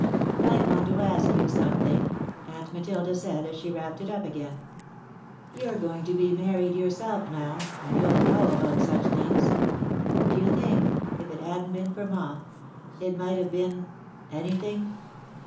"I want to ask you something," Aunt Matilda said, as she wrapped it up again. "You're going to be married yourself, now, and you'll know about such things. Do you think, if it hadn't been for Ma, it might have been anything?"